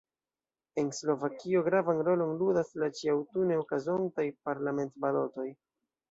En Slovakio gravan rolon ludas la ĉi-aŭtune okazontaj parlamentbalotoj.